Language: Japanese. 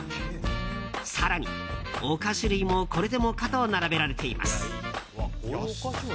更に、お菓子類もこれでもかと並べられています。